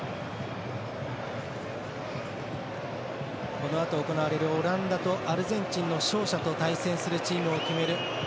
このあと行われるアルゼンチンの勝者と対戦するチームを決める